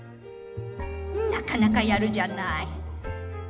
「なかなかやるじゃない」。